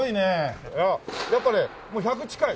やっぱねもう１００近い。